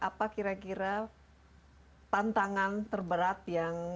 apa kira kira tantangan terberat yang